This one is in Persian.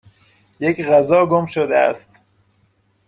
یک غذا گم شده است.